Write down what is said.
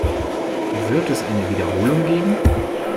Wird es eine Wiederholung geben?